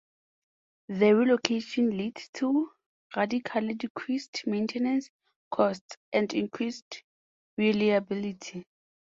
The relocation led to radically decreased maintenance costs and increased reliability.